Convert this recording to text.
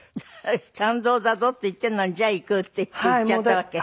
「勘当だぞ」って言ってんのに「じゃあ行く」って言って行っちゃったわけ？